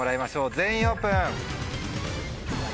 全員オープン。